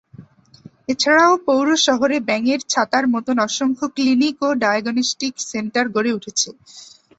এছাড়াও পৌর শহরে ব্যাঙের ছাতার মতন অসংখ্য ক্লিনিক ও ডায়াগনস্টিক সেন্টার গড়ে উঠেছে।